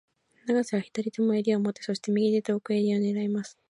永瀬は左手も襟を持って、そして、右手で奥襟を狙います。